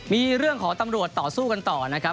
มีเรื่องของตำรวจต่อสู้กันต่อนะครับ